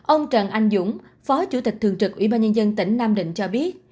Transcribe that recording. ông trần anh dũng phó chủ tịch thường trực ủy ban nhân dân tỉnh nam định cho biết